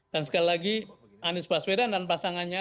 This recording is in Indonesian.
dan sekali lagi anies baswedan dan pasangannya